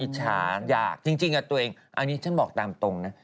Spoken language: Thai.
ฉายากจริงกับตัวเองอันนี้ฉันบอกตามตรงนะ